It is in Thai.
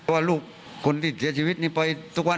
ว่าลูกคนที่เสียชีวิตนี่ไปทุกวัน